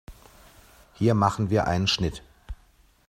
Hier machen wir einen Schnitt.